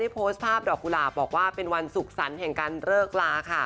เพราะว่าเยี่ยมก็ก็ฟาบนี่